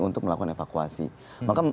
untuk melakukan evakuasi maka